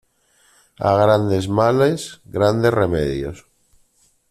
A grandes males, grandes remedios.